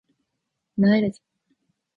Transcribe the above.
萎えるぜ